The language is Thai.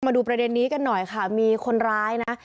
มาดูประเด็นนี้กันหน่อยค่ะมีคนร้ายนะ